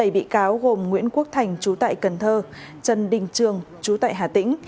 bảy bị cáo gồm nguyễn quốc thành chú tại cần thơ trần đình trường chú tại hà tĩnh